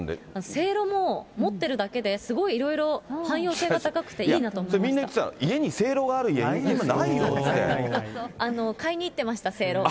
せいろも持ってるだけで、すごいいろいろ汎用性が高くていいみんな言ってた、家にせいろがある家、買いに行ってました、せいろ。